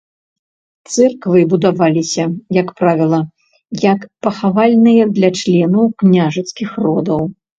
Цэрквы будаваліся, як правіла, як пахавальныя для членаў княжацкіх родаў.